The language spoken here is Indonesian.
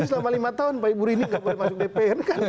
selama lima tahun pak ibu rini tidak boleh masuk dpr